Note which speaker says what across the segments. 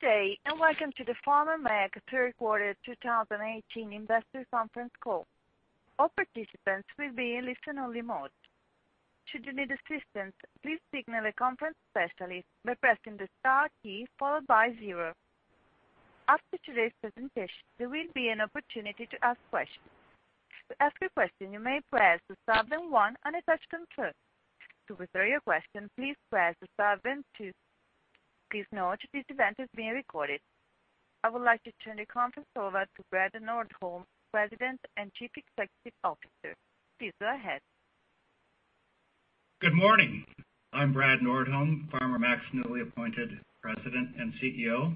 Speaker 1: Good day, welcome to the Farmer Mac third quarter 2018 investor conference call. All participants will be in listen only mode. Should you need assistance, please signal a conference specialist by pressing the star key followed by zero. After today's presentation, there will be an opportunity to ask questions. To ask a question, you may press the star then one on a touch tone phone. To withdraw your question, please press star then two. Please note this event is being recorded. I would like to turn the conference over to Brad Nordholm, President and Chief Executive Officer. Please go ahead.
Speaker 2: Good morning. I'm Brad Nordholm, Farmer Mac's newly appointed President and CEO.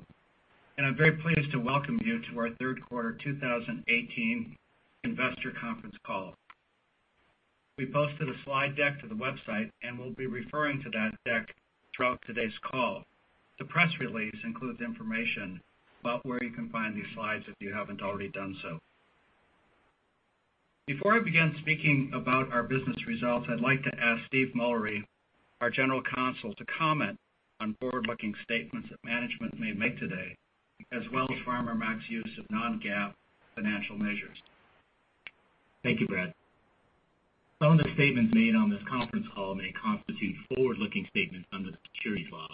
Speaker 2: I'm very pleased to welcome you to our third quarter 2018 investor conference call. We posted a slide deck to the website. We'll be referring to that deck throughout today's call. The press release includes information about where you can find these slides if you haven't already done so. Before I begin speaking about our business results, I'd like to ask Steve Mullery, our General Counsel, to comment on forward-looking statements that management may make today, as well as Farmer Mac's use of non-GAAP financial measures.
Speaker 3: Thank you, Brad. Some of the statements made on this conference call may constitute forward-looking statements under the securities laws.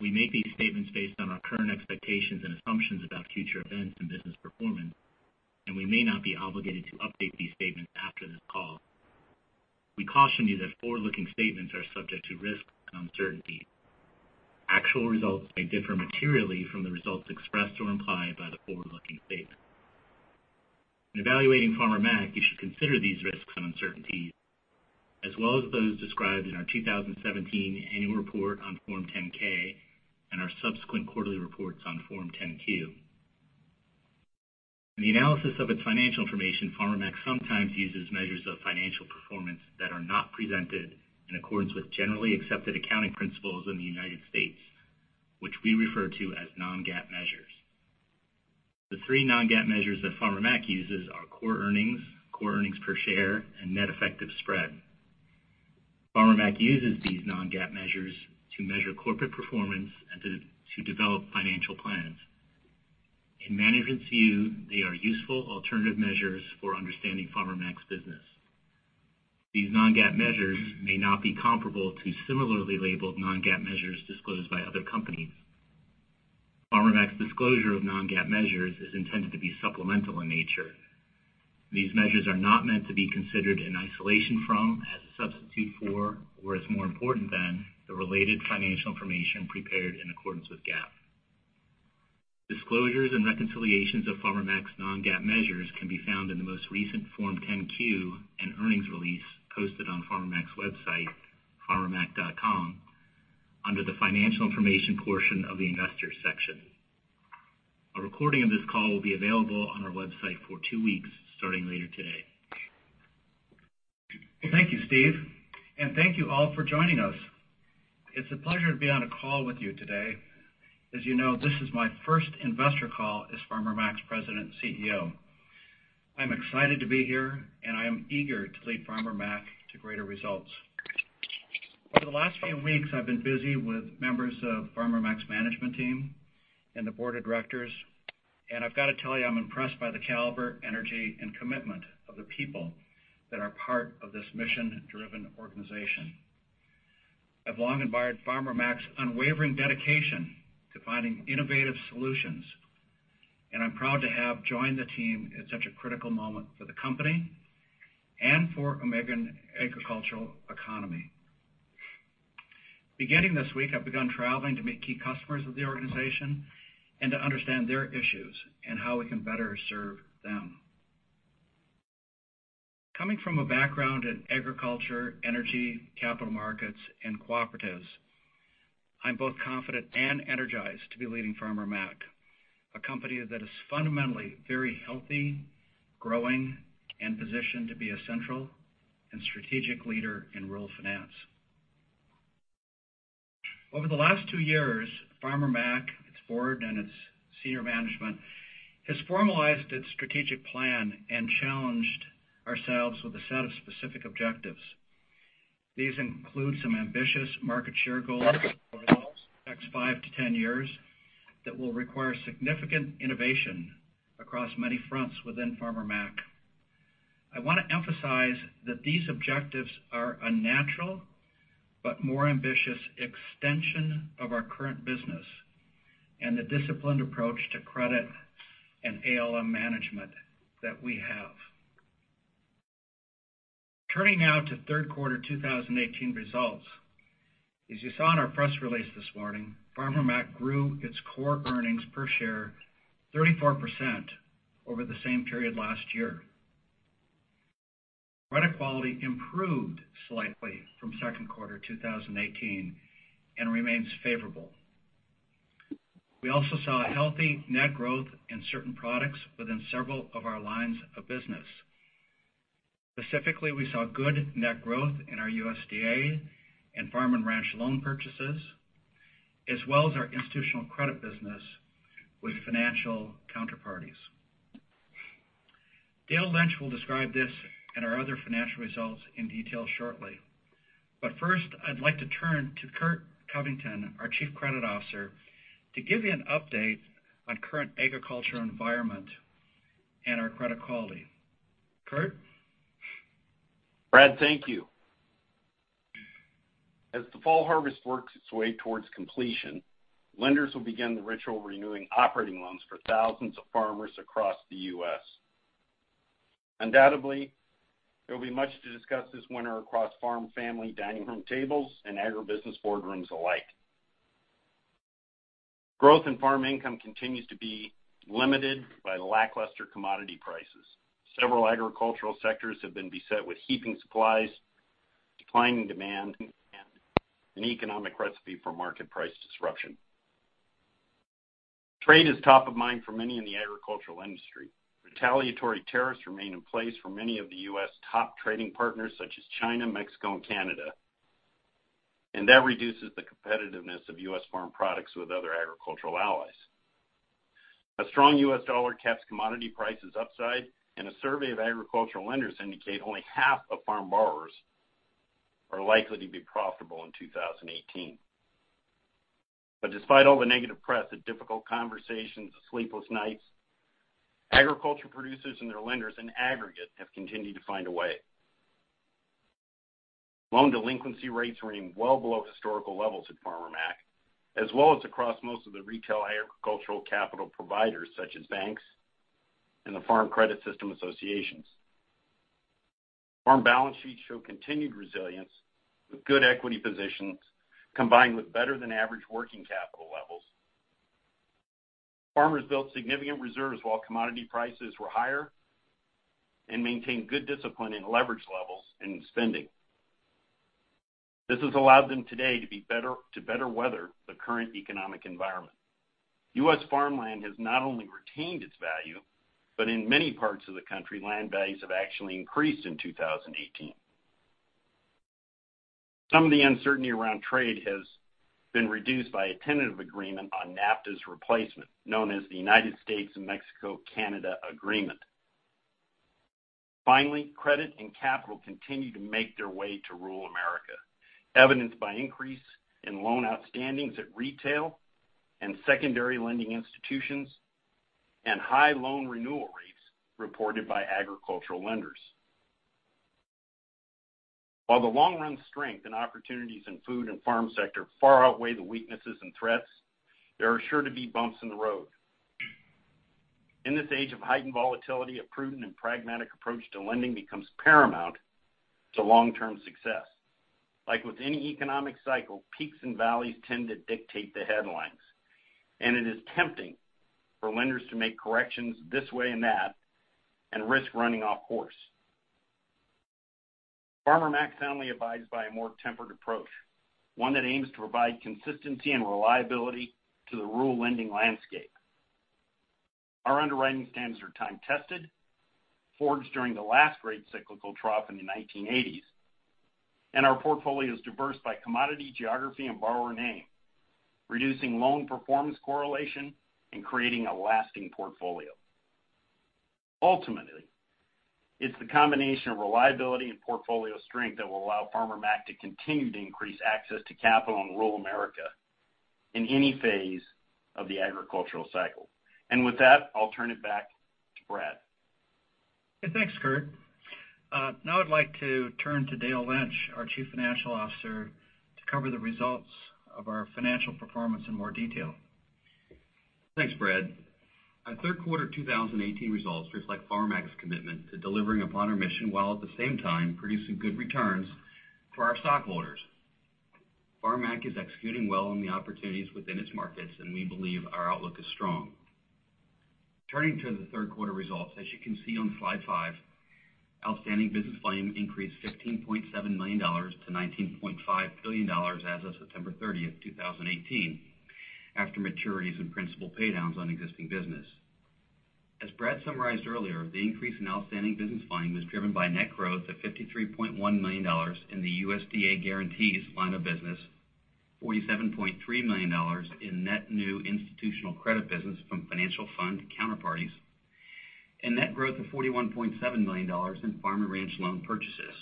Speaker 3: We make these statements based on our current expectations and assumptions about future events and business performance. We may not be obligated to update these statements after this call. We caution you that forward-looking statements are subject to risks and uncertainty. Actual results may differ materially from the results expressed or implied by the forward-looking statements. In evaluating Farmer Mac, you should consider these risks and uncertainties as well as those described in our 2017 annual report on Form 10-K and our subsequent quarterly reports on Form 10-Q. In the analysis of its financial information, Farmer Mac sometimes uses measures of financial performance that are not presented in accordance with generally accepted accounting principles in the United States, which we refer to as non-GAAP measures. The three non-GAAP measures that Farmer Mac uses are core earnings, core earnings per share, and net effective spread. Farmer Mac uses these non-GAAP measures to measure corporate performance and to develop financial plans. In management's view, they are useful alternative measures for understanding Farmer Mac's business. These non-GAAP measures may not be comparable to similarly labeled non-GAAP measures disclosed by other companies. Farmer Mac's disclosure of non-GAAP measures is intended to be supplemental in nature. These measures are not meant to be considered in isolation from, as a substitute for, or as more important than the related financial information prepared in accordance with GAAP. Disclosures and reconciliations of Farmer Mac's non-GAAP measures can be found in the most recent Form 10-Q and earnings release posted on Farmer Mac's website, farmermac.com, under the financial information portion of the investors section. A recording of this call will be available on our website for two weeks starting later today.
Speaker 2: Thank you, Steve, and thank you all for joining us. It's a pleasure to be on a call with you today. As you know, this is my first investor call as Farmer Mac's President and CEO. I'm excited to be here, and I am eager to lead Farmer Mac to greater results. Over the last few weeks, I've been busy with members of Farmer Mac's management team and the board of directors, and I've got to tell you, I'm impressed by the caliber, energy, and commitment of the people that are part of this mission-driven organization. I've long admired Farmer Mac's unwavering dedication to finding innovative solutions, and I'm proud to have joined the team at such a critical moment for the company and for American agricultural economy. Beginning this week, I've begun traveling to meet key customers of the organization and to understand their issues and how we can better serve them. Coming from a background in agriculture, energy, capital markets, and cooperatives, I'm both confident and energized to be leading Farmer Mac, a company that is fundamentally very healthy, growing, and positioned to be a central and strategic leader in rural finance. Over the last two years, Farmer Mac, its board, and its senior management has formalized its strategic plan and challenged ourselves with a set of specific objectives. These include some ambitious market share goals over the next five to 10 years that will require significant innovation across many fronts within Farmer Mac. I want to emphasize that these objectives are a natural but more ambitious extension of our current business and the disciplined approach to credit and ALM management that we have. Turning now to third quarter 2018 results. As you saw in our press release this morning, Farmer Mac grew its core earnings per share 34% over the same period last year. Credit quality improved slightly from second quarter 2018 and remains favorable. We also saw a healthy net growth in certain products within several of our lines of business. Specifically, we saw good net growth in our USDA and Farm & Ranch loan purchases, as well as our Institutional Credit business with financial counterparties. Dale Lynch will describe this and our other financial results in detail shortly. First, I'd like to turn to Curt Covington, our Chief Credit Officer, to give you an update on current agricultural environment and our credit quality. Curt?
Speaker 4: Brad, thank you. As the fall harvest works its way towards completion, lenders will begin the ritual of renewing operating loans for thousands of farmers across the U.S. Undoubtedly, there will be much to discuss this winter across farm family dining room tables and agribusiness boardrooms alike. Growth in farm income continues to be limited by lackluster commodity prices. Several agricultural sectors have been beset with heaping supplies, declining demand, and an economic recipe for market price disruption. Trade is top of mind for many in the agricultural industry. Retaliatory tariffs remain in place for many of the U.S.' top trading partners, such as China, Mexico, and Canada. That reduces the competitiveness of U.S. farm products with other agricultural allies. A strong U.S. dollar caps commodity prices upside. A survey of agricultural lenders indicate only half of farm borrowers are likely to be profitable in 2018. Despite all the negative press, the difficult conversations, the sleepless nights, agriculture producers and their lenders in aggregate have continued to find a way. Loan delinquency rates remain well below historical levels at Farmer Mac, as well as across most of the retail agricultural capital providers such as banks and the Farm Credit System associations. Farm balance sheets show continued resilience with good equity positions, combined with better than average working capital levels. Farmers built significant reserves while commodity prices were higher and maintained good discipline in leverage levels and spending. This has allowed them today to better weather the current economic environment. U.S. farmland has not only retained its value, but in many parts of the country, land values have actually increased in 2018. Some of the uncertainty around trade has been reduced by a tentative agreement on NAFTA's replacement, known as the United States-Mexico-Canada Agreement. Finally, credit and capital continue to make their way to rural America, evidenced by increase in loan outstandings at retail and secondary lending institutions, and high loan renewal rates reported by agricultural lenders. While the long-run strength and opportunities in food and farm sector far outweigh the weaknesses and threats, there are sure to be bumps in the road. In this age of heightened volatility, a prudent and pragmatic approach to lending becomes paramount to long-term success. Like with any economic cycle, peaks and valleys tend to dictate the headlines, and it is tempting for lenders to make corrections this way and that and risk running off course. Farmer Mac soundly advises by a more tempered approach, one that aims to provide consistency and reliability to the rural lending landscape. Our underwriting standards are time-tested, forged during the last great cyclical trough in the 1980s. Our portfolio is diverse by commodity, geography, and borrower name, reducing loan performance correlation and creating a lasting portfolio. Ultimately, it's the combination of reliability and portfolio strength that will allow Farmer Mac to continue to increase access to capital in rural America in any phase of the agricultural cycle. With that, I'll turn it back to Brad.
Speaker 2: Okay. Thanks, Curt. Now I'd like to turn to Dale Lynch, our Chief Financial Officer, to cover the results of our financial performance in more detail.
Speaker 5: Thanks, Brad. Our third quarter 2018 results reflect Farmer Mac's commitment to delivering upon our mission while at the same time producing good returns for our stockholders. Farmer Mac is executing well on the opportunities within its markets, we believe our outlook is strong. Turning to the third quarter results, as you can see on slide five, outstanding business volume increased $15.7 million to $19.5 billion as of September 30th, 2018, after maturities and principal paydowns on existing business. As Brad summarized earlier, the increase in outstanding business volume is driven by net growth of $53.1 million in the USDA Guarantees line of business, $47.3 million in net new institutional credit business from financial fund counterparties, net growth of $41.7 million in Farm & Ranch loan purchases.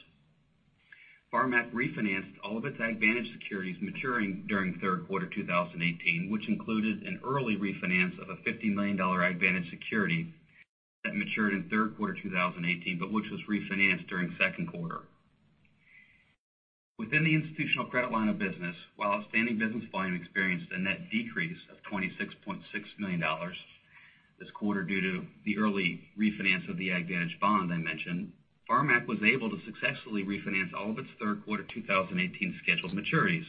Speaker 5: Farmer Mac refinanced all of its AgVantage securities maturing during third quarter 2018, which included an early refinance of a $50 million AgVantage security that matured in third quarter 2018, but which was refinanced during second quarter. Within the Institutional Credit line of business, while outstanding business volume experienced a net decrease of $26.6 million this quarter due to the early refinance of the AgVantage bond I mentioned, Farmer Mac was able to successfully refinance all of its third quarter 2018 scheduled maturities.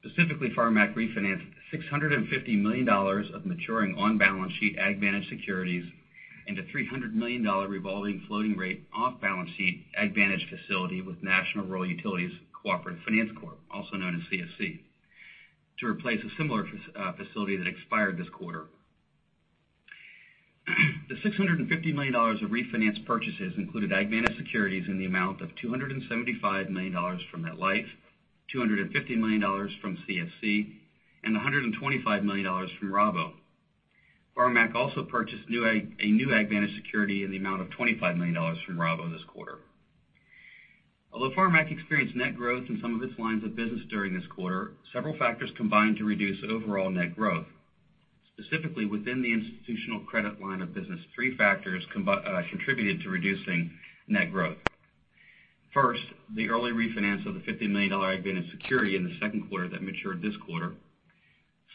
Speaker 5: Specifically, Farmer Mac refinanced $650 million of maturing on-balance sheet AgVantage securities and a $300 million revolving floating rate off-balance sheet AgVantage facility with National Rural Utilities Cooperative Finance Corporation, also known as CFC, to replace a similar facility that expired this quarter. The $650 million of refinance purchases included AgVantage securities in the amount of $275 million from MetLife, $250 million from CFC. $125 million from Rabo. Farmer Mac also purchased a new AgVantage security in the amount of $25 million from Rabo this quarter. Although Farmer Mac experienced net growth in some of its lines of business during this quarter, several factors combined to reduce overall net growth. Specifically, within the institutional credit line of business, three factors contributed to reducing net growth. First, the early refinance of the $50 million AgVantage security in the second quarter that matured this quarter.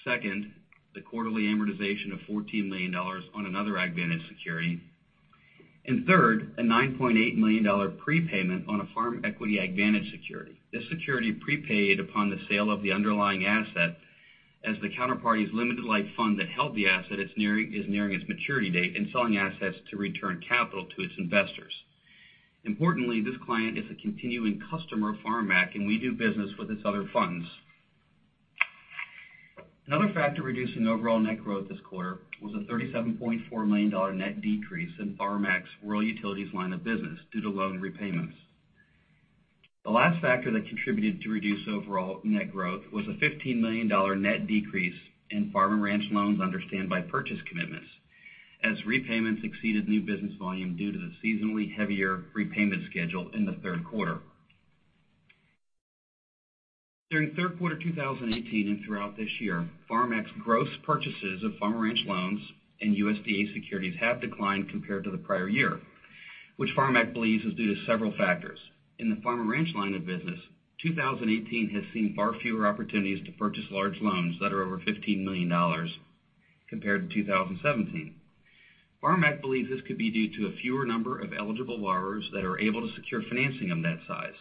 Speaker 5: Second, the quarterly amortization of $14 million on another AgVantage security. Third, a $9.8 million prepayment on a Farm Equity AgVantage security. This security prepaid upon the sale of the underlying asset as the counterparty's limited life fund that held the asset is nearing its maturity date and selling assets to return capital to its investors. Importantly, this client is a continuing customer of Farmer Mac, we do business with its other funds. Another factor reducing overall net growth this quarter was a $37.4 million net decrease in Farmer Mac's Rural Utilities line of business due to loan repayments. The last factor that contributed to reduce overall net growth was a $15 million net decrease in Farm & Ranch loans under stand-by purchase commitments, as repayments exceeded new business volume due to the seasonally heavier prepayment schedule in the third quarter. During third quarter 2018 and throughout this year, Farmer Mac's gross purchases of Farm & Ranch loans and USDA securities have declined compared to the prior year, which Farmer Mac believes is due to several factors. In the Farm & Ranch line of business, 2018 has seen far fewer opportunities to purchase large loans that are over $15 million compared to 2017. Farmer Mac believes this could be due to a fewer number of eligible borrowers that are able to secure financing of that size,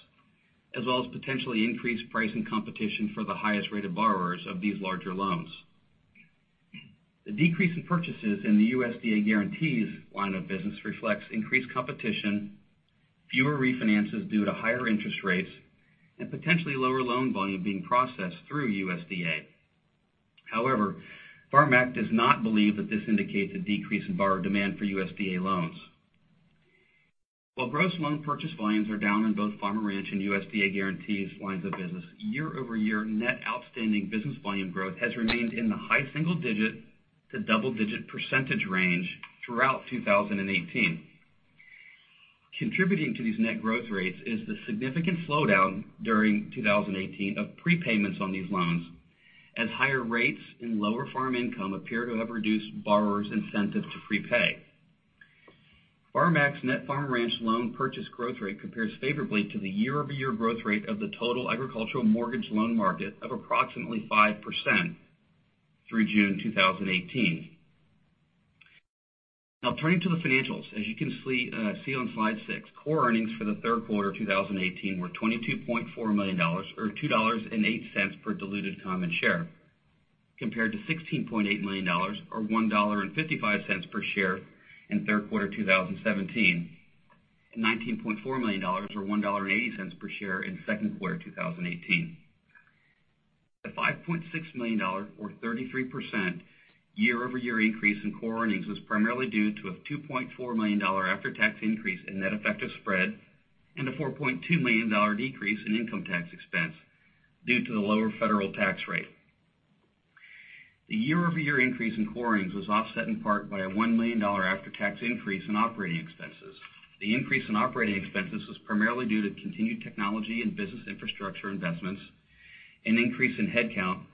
Speaker 5: as well as potentially increased price and competition for the highest rated borrowers of these larger loans. The decrease in purchases in the USDA guarantees line of business reflects increased competition, fewer refinances due to higher interest rates, and potentially lower loan volume being processed through USDA. However, Farmer Mac does not believe that this indicates a decrease in borrower demand for USDA loans. While gross loan purchase volumes are down in both Farm & Ranch and USDA guarantees lines of business, year-over-year net outstanding business volume growth has remained in the high single-digit to double-digit percentage range throughout 2018. Contributing to these net growth rates is the significant slowdown during 2018 of prepayments on these loans, as higher rates and lower farm income appear to have reduced borrowers' incentive to prepay. Farmer Mac's net Farm & Ranch loan purchase growth rate compares favorably to the year-over-year growth rate of the total agricultural mortgage loan market of approximately 5% through June 2018. Now, turning to the financials. As you can see on slide six, core earnings for the third quarter 2018 were $22.4 million, or $2.08 per diluted common share, compared to $16.8 million or $1.55 per share in third quarter 2017, and $19.4 million or $1.80 per share in second quarter 2018. The $5.6 million or 33% year-over-year increase in core earnings was primarily due to a $2.4 million after-tax increase in net effective spread and a $4.2 million decrease in income tax expense due to the lower federal tax rate. The year-over-year increase in core earnings was offset in part by a $1 million after-tax increase in operating expenses. The increase in operating expenses was primarily due to continued technology and business infrastructure investments, an increase in headcount, and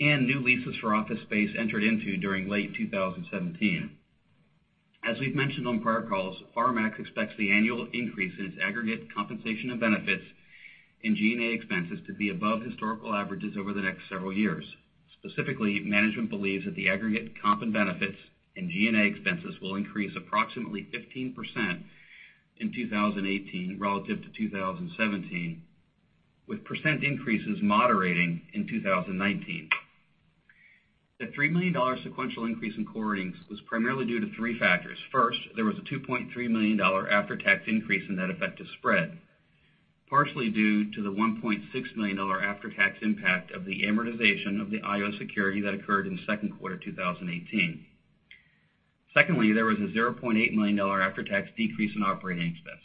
Speaker 5: new leases for office space entered into during late 2017. As we've mentioned on prior calls, Farmer Mac expects the annual increase in its aggregate compensation and benefits and G&A expenses to be above historical averages over the next several years. Specifically, management believes that the aggregate comp and benefits and G&A expenses will increase approximately 15% in 2018 relative to 2017, with % increases moderating in 2019. The $3 million sequential increase in core earnings was primarily due to three factors. First, there was a $2.3 million after-tax increase in net effective spread, partially due to the $1.6 million after-tax impact of the amortization of the IO security that occurred in the second quarter 2018. Secondly, there was a $0.8 million after-tax decrease in operating expenses.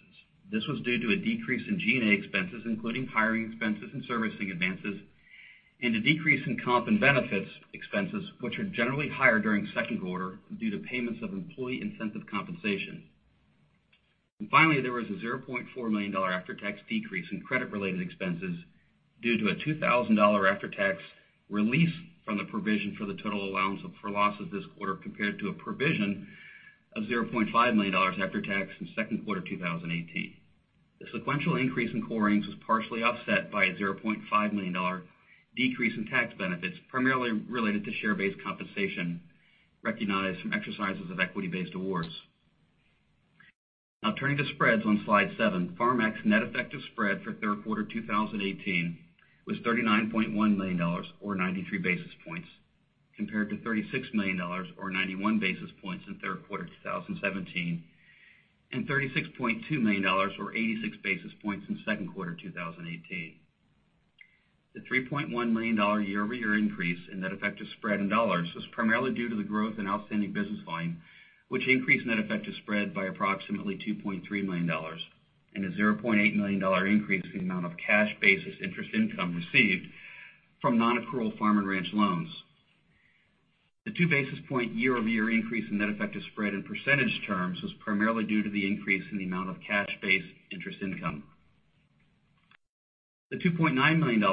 Speaker 5: This was due to a decrease in G&A expenses, including hiring expenses and servicing advances, and a decrease in comp and benefits expenses, which are generally higher during second quarter due to payments of employee incentive compensation. Finally, there was a $0.4 million after-tax decrease in credit-related expenses due to a $2,000 after-tax release from the provision for the total allowance for loss of this quarter compared to a provision of $0.5 million after tax in second quarter 2018. The sequential increase in core earnings was partially offset by a $0.5 million decrease in tax benefits, primarily related to share-based compensation recognized from exercises of equity-based awards. Now turning to spreads on slide seven. Farmer Mac's net effective spread for third quarter 2018 was $39.1 million, or 93 basis points, compared to $36 million or 91 basis points in third quarter 2017, and $36.2 million or 86 basis points in second quarter 2018. The $3.1 million year-over-year increase in net effective spread in dollars was primarily due to the growth in outstanding business volume, which increased net effective spread by approximately $2.3 million. A $0.8 million increase in the amount of cash basis interest income received from non-accrual Farm & Ranch loans. The two basis point year-over-year increase in net effective spread in percentage terms was primarily due to the increase in the amount of cash-based interest income. The $2.9 million,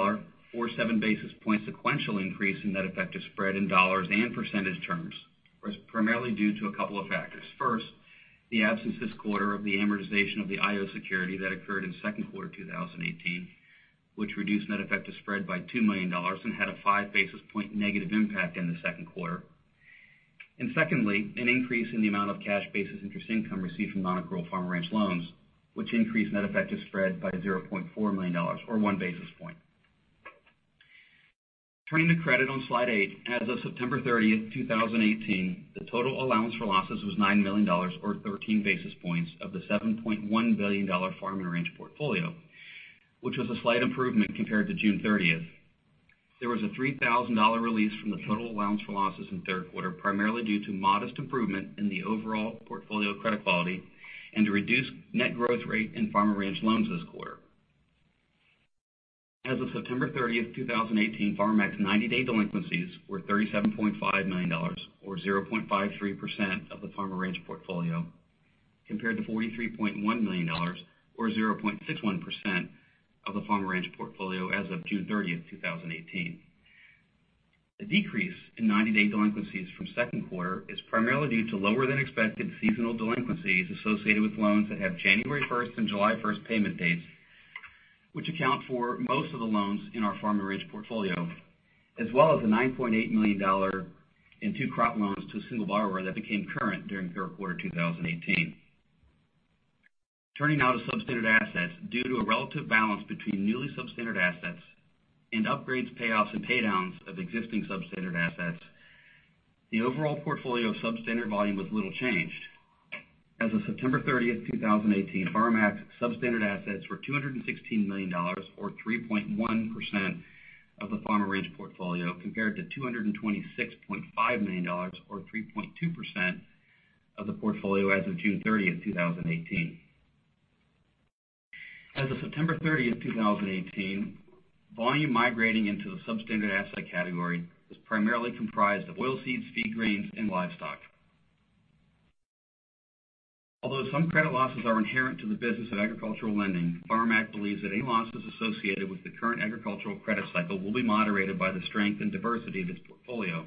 Speaker 5: or seven basis point sequential increase in net effective spread in dollars and percentage terms was primarily due to a couple of factors. First, the absence this quarter of the amortization of the IO security that occurred in second quarter 2018, which reduced net effective spread by $2 million and had a five basis point negative impact in the second quarter. Secondly, an increase in the amount of cash basis interest income received from non-accrual Farm & Ranch loans, which increased net effective spread by $0.4 million or one basis point. Turning to credit on slide eight. As of September 30th, 2018, the total allowance for losses was $9 million, or 13 basis points of the $7.1 billion Farm & Ranch portfolio, which was a slight improvement compared to June 30th. There was a $3,000 release from the total allowance for losses in third quarter, primarily due to modest improvement in the overall portfolio credit quality and a reduced net growth rate in Farm & Ranch loans this quarter. As of September 30th, 2018, Farmer Mac's 90-day delinquencies were $37.5 million, or 0.53% of the Farm & Ranch portfolio, compared to $43.1 million or 0.61% of the Farm & Ranch portfolio as of June 30th, 2018. The decrease in 90-day delinquencies from second quarter is primarily due to lower than expected seasonal delinquencies associated with loans that have January 1st and July 1st payment dates, which account for most of the loans in our Farm & Ranch portfolio, as well as a $9.8 million in two crop loans to a single borrower that became current during third quarter 2018. Turning now to substandard assets. Due to a relative balance between newly substandard assets and upgrades, payoffs, and pay downs of existing substandard assets, the overall portfolio of substandard volume was little changed. As of September 30, 2018, Farmer Mac's substandard assets were $216 million, or 3.1% of the Farm & Ranch portfolio, compared to $226.5 million or 3.2% of the portfolio as of June 30, 2018. As of September 30, 2018, volume migrating into the substandard asset category was primarily comprised of oilseeds, feed grains, and livestock. Although some credit losses are inherent to the business of agricultural lending, Farmer Mac believes that any losses associated with the current agricultural credit cycle will be moderated by the strength and diversity of its portfolio,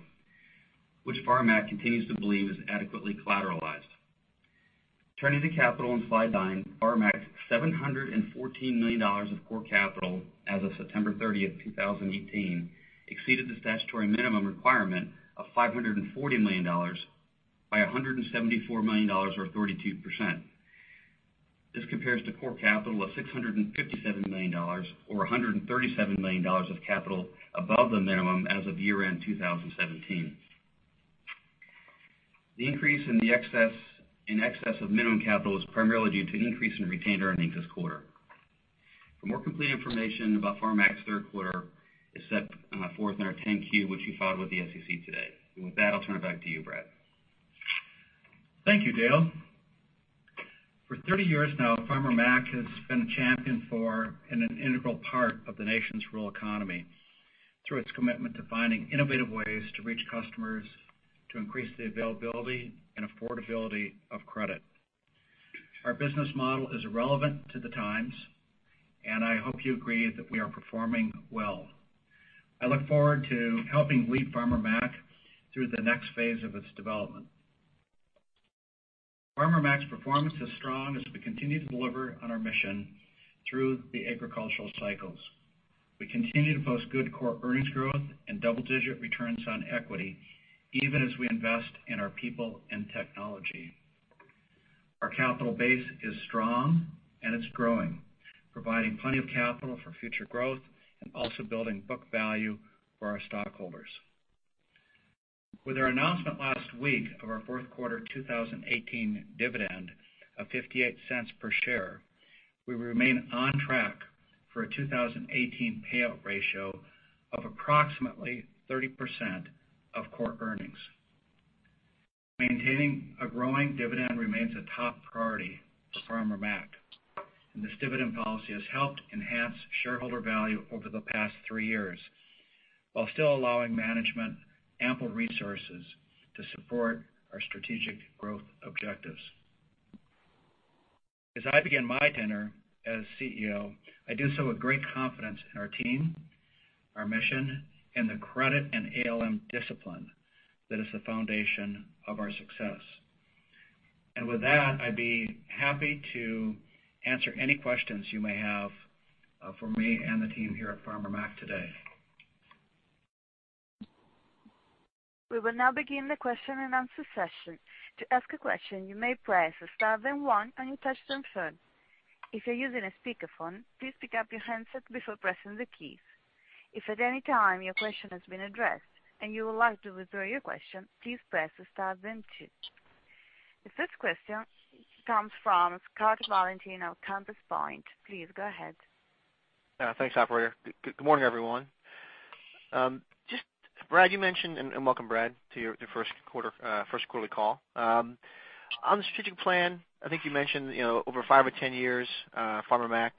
Speaker 5: which Farmer Mac continues to believe is adequately collateralized. Turning to capital on slide nine. Farmer Mac's $714 million of core capital as of September 30, 2018 exceeded the statutory minimum requirement of $540 million by $174 million or 32%. This compares to core capital of $657 million, or $137 million of capital above the minimum as of year-end 2017. The increase in excess of minimum capital is primarily due to an increase in retained earnings this quarter. For more complete information about Farmer Mac's third quarter is set forth in our 10-Q, which we filed with the SEC today. With that, I'll turn it back to you, Brad.
Speaker 2: Thank you, Dale. For 30 years now, Farmer Mac has been a champion for and an integral part of the nation's rural economy through its commitment to finding innovative ways to reach customers to increase the availability and affordability of credit. Our business model is relevant to the times, and I hope you agree that we are performing well. I look forward to helping lead Farmer Mac through the next phase of its development. Farmer Mac's performance is strong as we continue to deliver on our mission through the agricultural cycles. We continue to post good core earnings growth and double-digit returns on equity, even as we invest in our people and technology. Our capital base is strong and it's growing, providing plenty of capital for future growth and also building book value for our stockholders. With our announcement last week of our fourth quarter 2018 dividend of $0.58 per share, we remain on track for a 2018 payout ratio of approximately 30% of core earnings. Maintaining a growing dividend remains a top priority for Farmer Mac, and this dividend policy has helped enhance shareholder value over the past three years while still allowing management ample resources to support our strategic growth objectives. As I begin my tenure as CEO, I do so with great confidence in our team, our mission, and the credit and ALM discipline that is the foundation of our success. With that, I'd be happy to answer any questions you may have for me and the team here at Farmer Mac today.
Speaker 1: We will now begin the question and answer session. To ask a question, you may press star then one on your touchtone phone. If you're using a speakerphone, please pick up your handset before pressing the keys. If at any time your question has been addressed and you would like to withdraw your question, please press star then two. The first question comes from Scott Valentin, Compass Point. Please go ahead.
Speaker 6: Yeah, thanks operator. Good morning, everyone. Brad, welcome, Brad, to your first quarterly call. On the strategic plan, I think you mentioned over five or 10 years, Farmer Mac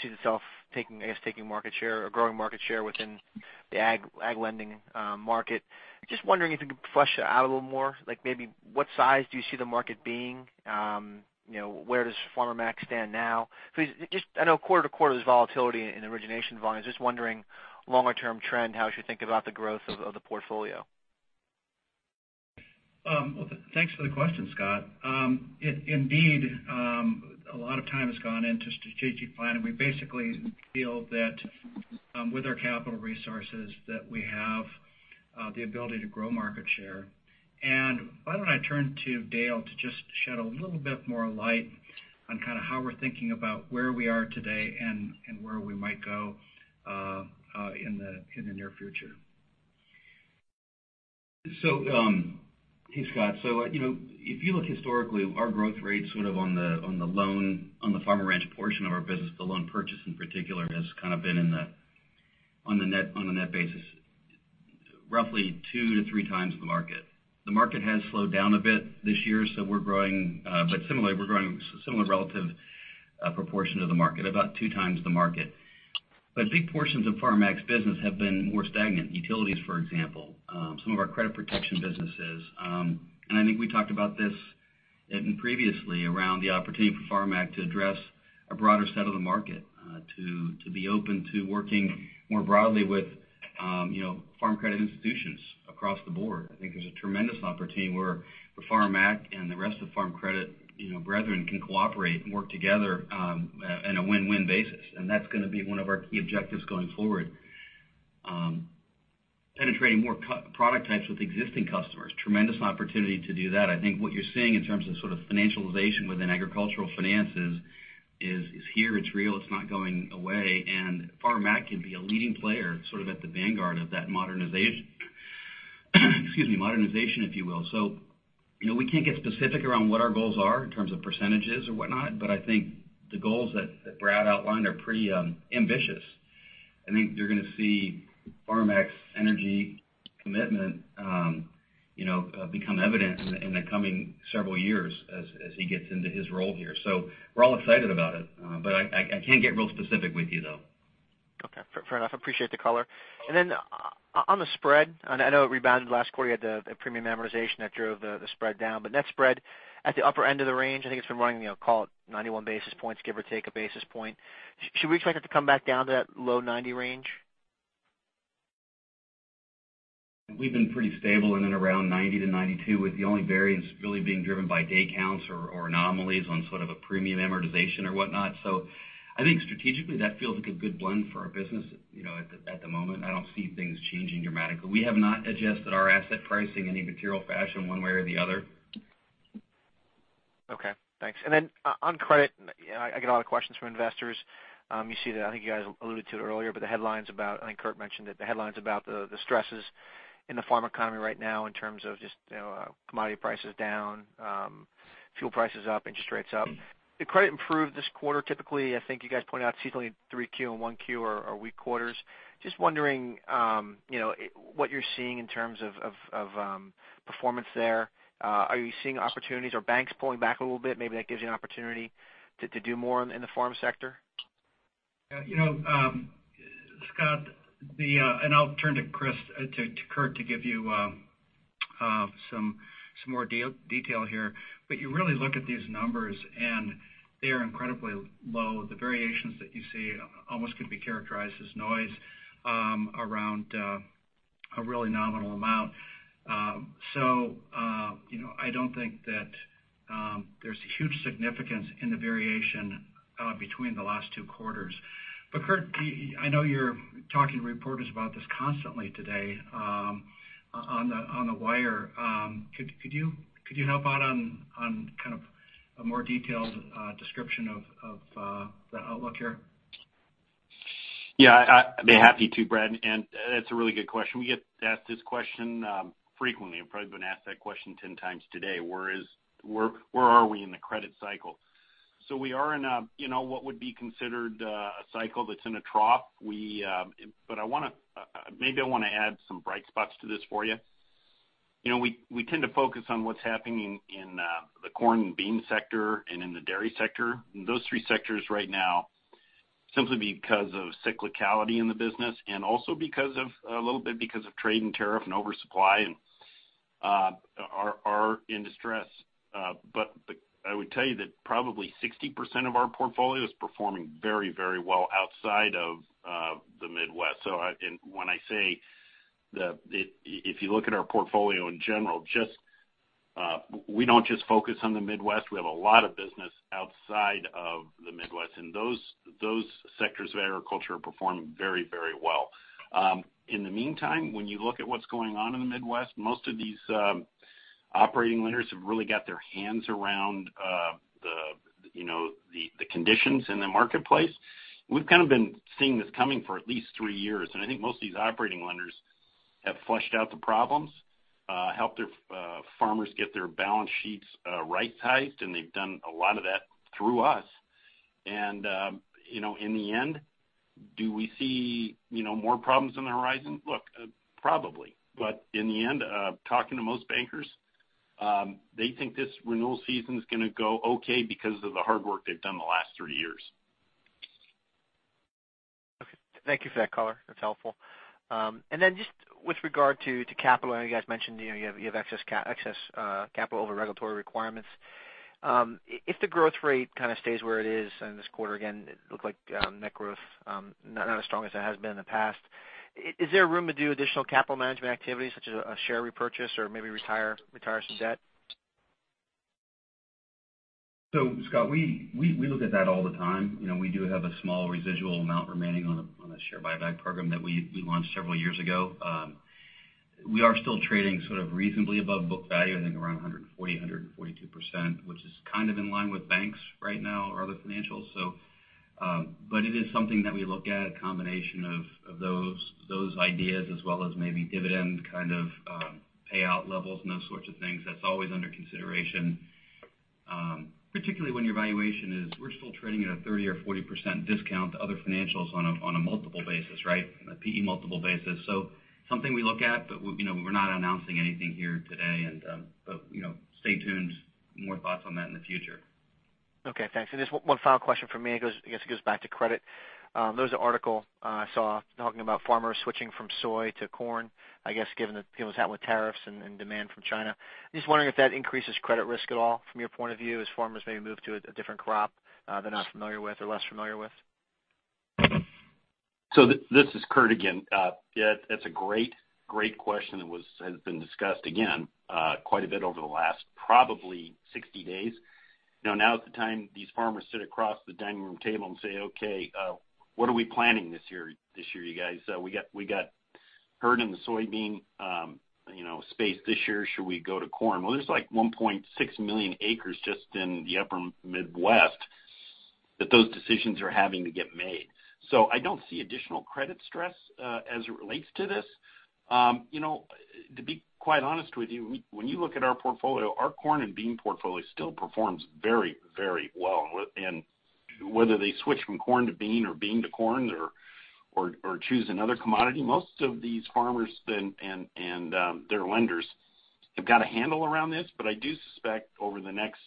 Speaker 6: sees itself, I guess, taking market share or growing market share within the ag lending market. Just wondering if you could flesh that out a little more. Maybe what size do you see the market being? Where does Farmer Mac stand now? Because I know quarter-to-quarter, there's volatility in origination volume. Just wondering longer term trend, how I should think about the growth of the portfolio.
Speaker 2: Well, thanks for the question, Scott. Indeed, a lot of time has gone into strategic planning. We basically feel that with our capital resources, that we have the ability to grow market share. Why don't I turn to Dale to just shed a little bit more light on kind of how we're thinking about where we are today and where we might go in the near future.
Speaker 5: Hey, Scott. If you look historically, our growth rate sort of on the loan, on the Farm & Ranch portion of our business, the loan purchase in particular, has kind of been on a net basis, roughly two to three times the market. The market has slowed down a bit this year, but similarly, we're growing similar relative proportion of the market, about two times the market. Big portions of Farmer Mac's business have been more stagnant. Utilities, for example, some of our credit protection businesses. I think we talked about this even previously around the opportunity for Farmer Mac to address a broader set of the market to be open to working more broadly with Farm Credit institutions across the board. I think there's a tremendous opportunity where Farmer Mac and the rest of Farm Credit brethren can cooperate and work together in a win-win basis. That's going to be one of our key objectives going forward. Penetrating more product types with existing customers, tremendous opportunity to do that. What you're seeing in terms of sort of financialization within agricultural finance is here, it's real, it's not going away, and Farmer Mac can be a leading player sort of at the vanguard of that modernization, if you will. We can't get specific around what our goals are in terms of percentages or whatnot, but I think the goals that Brad outlined are pretty ambitious. You're going to see Farmer Mac's energy commitment become evident in the coming several years as he gets into his role here. We're all excited about it. I can't get real specific with you, though.
Speaker 6: Okay, fair enough. I appreciate the color. On the spread, I know it rebounded last quarter. You had the premium amortization that drove the spread down. Net spread at the upper end of the range, I think it's been running, call it 91 basis points, give or take a basis point. Should we expect it to come back down to that low 90 range?
Speaker 5: We've been pretty stable in and around 90 to 92, with the only variance really being driven by day counts or anomalies on sort of a premium amortization or whatnot. Strategically, that feels like a good blend for our business. At the moment, I don't see things changing dramatically. We have not adjusted our asset pricing in any material fashion one way or the other.
Speaker 6: Okay, thanks. On credit, I get a lot of questions from investors. You see that, you guys alluded to it earlier, the headlines about, Curt mentioned it, the headlines about the stresses in the farm economy right now in terms of just commodity prices down, fuel prices up, interest rates up. Did credit improve this quarter? Typically, you guys pointed out seasonally 3Q and 1Q are weak quarters. Just wondering what you're seeing in terms of performance there. Are you seeing opportunities? Are banks pulling back a little bit? Maybe that gives you an opportunity to do more in the farm sector.
Speaker 2: Scott, I'll turn to Curt to give you some more detail here. You really look at these numbers, and they are incredibly low. The variations that you see almost could be characterized as noise around a really nominal amount. I don't think that there's huge significance in the variation between the last two quarters. Curt, I know you're talking to reporters about this constantly today on the wire. Could you help out on kind of a more detailed description of the outlook here?
Speaker 4: Yeah, I'd be happy to, Brad, that's a really good question. We get asked this question frequently. I've probably been asked that question 10 times today. Where are we in the credit cycle? We are in what would be considered a cycle that's in a trough. Maybe I want to add some bright spots to this for you. We tend to focus on what's happening in the corn and bean sector and in the dairy sector. Those three sectors right now, simply because of cyclicality in the business and also a little bit because of trade and tariff and oversupply are in distress. I would tell you that probably 60% of our portfolio is performing very well outside of the Midwest. When I say if you look at our portfolio in general, we don't just focus on the Midwest. We have a lot of business outside of the Midwest, those sectors of agriculture are performing very well. In the meantime, when you look at what's going on in the Midwest, most of these operating lenders have really got their hands around the conditions in the marketplace. We've kind of been seeing this coming for at least three years, I think most of these operating lenders have flushed out the problems, helped their farmers get their balance sheets right sized, and they've done a lot of that through us. In the end, do we see more problems on the horizon? Look, probably. In the end, talking to most bankers, they think this renewal season's going to go okay because of the hard work they've done the last three years.
Speaker 6: Okay. Thank you for that color. That's helpful. Then just with regard to capital, I know you guys mentioned you have excess capital over regulatory requirements. If the growth rate kind of stays where it is in this quarter, again, it looked like net growth, not as strong as it has been in the past. Is there room to do additional capital management activities such as a share repurchase or maybe retire some debt?
Speaker 5: Scott, we look at that all the time. We do have a small residual amount remaining on a share buyback program that we launched several years ago. We are still trading sort of reasonably above book value, I think around 140, 142%, which is kind of in line with banks right now or other financials. It is something that we look at, a combination of those ideas as well as maybe dividend kind of payout levels and those sorts of things. That's always under consideration. Particularly when your valuation is, we're still trading at a 30% or 40% discount to other financials on a multiple basis, right? On a PE multiple basis. Something we look at, we're not announcing anything here today. Stay tuned for more thoughts on that in the future.
Speaker 6: Okay, thanks. Just one final question from me, I guess it goes back to credit. There was an article I saw talking about farmers switching from soy to corn, I guess, given what's happened with tariffs and demand from China. Just wondering if that increases credit risk at all from your point of view, as farmers maybe move to a different crop they're not familiar with or less familiar with.
Speaker 4: This is Curt again. Yeah, that's a great question that has been discussed again quite a bit over the last probably 60 days. Now is the time these farmers sit across the dining room table and say, "Okay, what are we planting this year, you guys? We got hurt in the soybean space this year. Should we go to corn?" Well, there's like 1.6 million acres just in the upper Midwest that those decisions are having to get made. I don't see additional credit stress as it relates to this. To be quite honest with you, when you look at our portfolio, our corn and bean portfolio still performs very well. Whether they switch from corn to bean or bean to corn or choose another commodity, most of these farmers and their lenders have got a handle around this. I do suspect over the next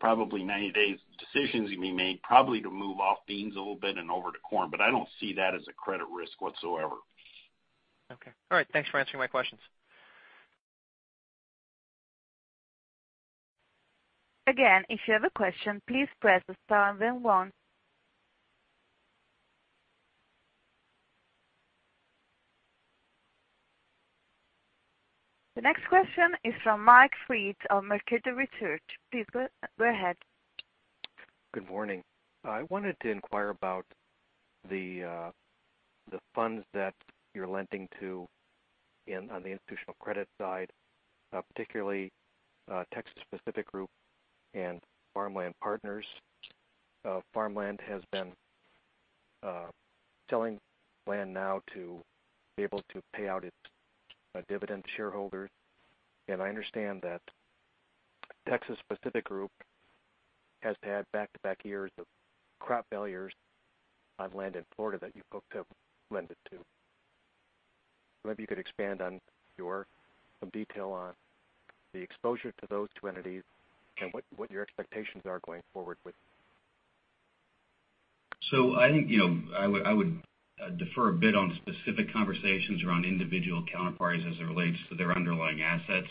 Speaker 4: probably 90 days, decisions will be made probably to move off beans a little bit and over to corn. I don't see that as a credit risk whatsoever.
Speaker 6: Okay. All right. Thanks for answering my questions.
Speaker 1: Again, if you have a question, please press star then one. The next question is from Mike Freed of Mercator Research. Please go ahead.
Speaker 7: Good morning. I wanted to inquire about the funds that you're lending to on the institutional credit side, particularly Texas Pacific Group and Farmland Partners. Farmland has been selling land now to be able to pay out its dividend to shareholders. I understand that Texas Pacific Group has had back-to-back years of crop failures on land in Florida that you folks have lended to. Maybe you could expand on some detail on the exposure to those two entities and what your expectations are going forward with them.
Speaker 5: I think I would defer a bit on specific conversations around individual counterparties as it relates to their underlying assets.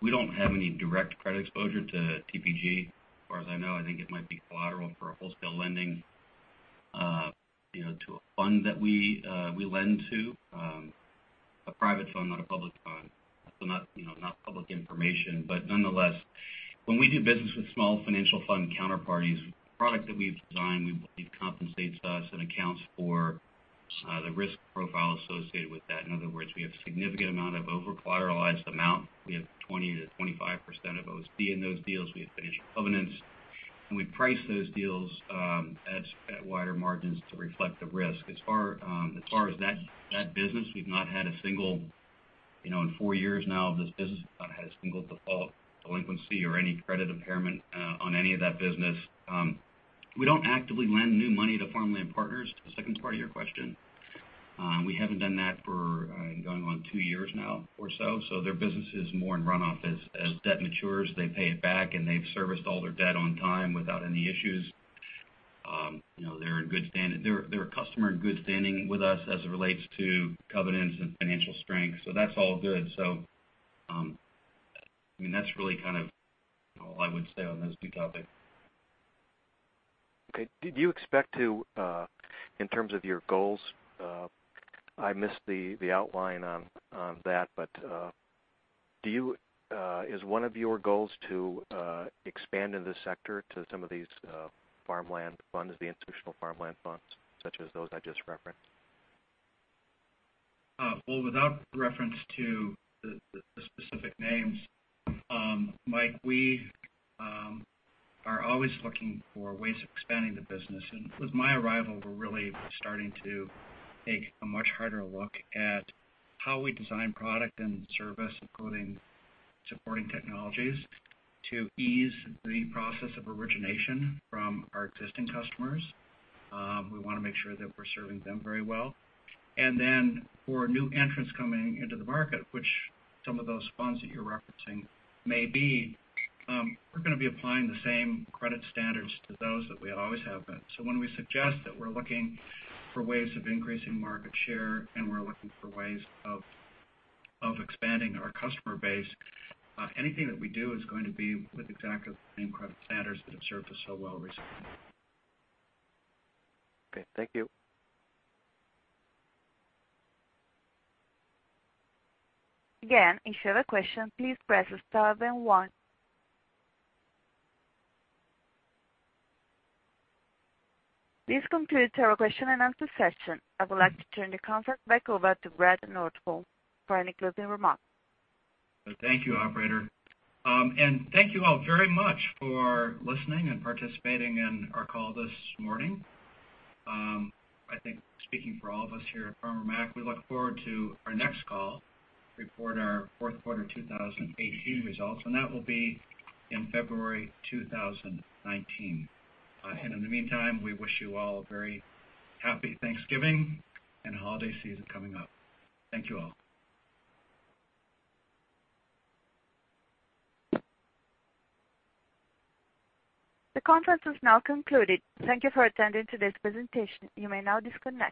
Speaker 5: We don't have any direct credit exposure to TPG as far as I know. I think it might be collateral for a wholesale lending to a fund that we lend to. A private fund, not a public fund. Not public information. Nonetheless, when we do business with small financial fund counterparties, the product that we've designed, we believe compensates us and accounts for the risk profile associated with that. In other words, we have a significant amount of over-collateralized amount. We have 20%-25% of OC in those deals. We have financial covenants. We price those deals at wider margins to reflect the risk. As far as that business, we've not had a single, in 4 years now of this business, not had a single default, delinquency, or any credit impairment on any of that business. We don't actively lend new money to Farmland Partners, to the second part of your question. We haven't done that for going on 2 years now or so. Their business is more in runoff. As debt matures, they pay it back, and they've serviced all their debt on time without any issues. They're a customer in good standing with us as it relates to covenants and financial strength. That's all good. That's really kind of all I would say on those two topics.
Speaker 7: Okay. Did you expect to, in terms of your goals? I missed the outline on that, but is one of your goals to expand in this sector to some of these farmland funds, the institutional farmland funds, such as those I just referenced?
Speaker 2: Well, without reference to the specific names, Mike, we are always looking for ways of expanding the business. With my arrival, we're really starting to take a much harder look at how we design product and service, including supporting technologies, to ease the process of origination from our existing customers. We want to make sure that we're serving them very well. For new entrants coming into the market, which some of those funds that you're referencing may be, we're going to be applying the same credit standards to those that we always have been. When we suggest that we're looking for ways of increasing market share and we're looking for ways of expanding our customer base, anything that we do is going to be with exactly the same credit standards that have served us so well recently.
Speaker 7: Okay. Thank you.
Speaker 1: Again, if you have a question, please press star then one. This concludes our question and answer session. I would like to turn the conference back over to Brad Nordholm for any closing remarks.
Speaker 2: Thank you, operator. Thank you all very much for listening and participating in our call this morning. I think speaking for all of us here at Farmer Mac, we look forward to our next call to report our fourth quarter 2018 results, and that will be in February 2019. In the meantime, we wish you all a very happy Thanksgiving and holiday season coming up. Thank you all.
Speaker 1: The conference has now concluded. Thank you for attending today's presentation. You may now disconnect.